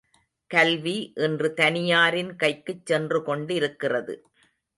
கல்வி இன்று தனியாரின் கைக்குச் சென்றுகொண்டிருக்கிறது.